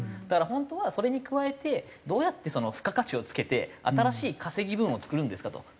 だから本当はそれに加えてどうやって付加価値を付けて新しい稼ぎ分を作るんですか？と。